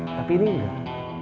tapi ini enggak